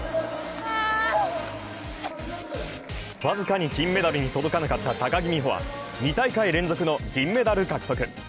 僅かに金メダルに届かなかった高木美帆は２大会連続の銀メダル獲得。